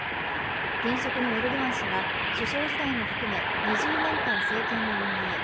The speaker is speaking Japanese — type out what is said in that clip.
現職のエルドアン氏は首相時代も含め２０年間、政権を運営。